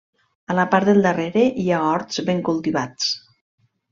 A la part del darrere hi ha horts ben cultivats.